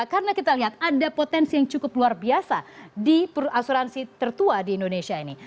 karena kita lihat ada potensi yang cukup luar biasa di asuransi tertua di indonesia ini